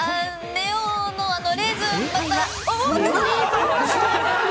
ネオのレーズンバターロール。